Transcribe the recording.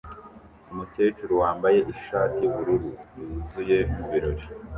umukecuru wambaye ishati yubururu yuzuye mubirori